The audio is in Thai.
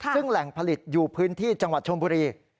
ซึ่งแหล่งผลิตอยู่พื้นที่จังหวัดชมบุรี